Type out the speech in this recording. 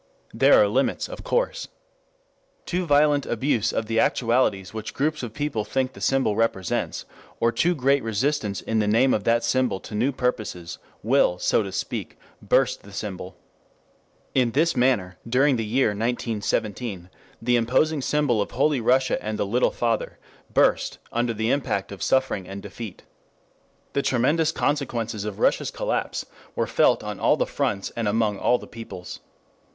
There are limits, of course. Too violent abuse of the actualities which groups of people think the symbol represents, or too great resistance in the name of that symbol to new purposes, will, so to speak, burst the symbol. In this manner, during the year 1917, the imposing symbol of Holy Russia and the Little Father burst under the impact of suffering and defeat. 4 The tremendous consequences of Russia's collapse were felt on all the fronts and among all the peoples.